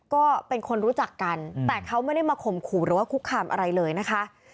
ก็เป็นคนรู้จักกันแต่เขาไม่ได้มาข่มขู่หรือว่าคุกคามอะไรเลยนะคะ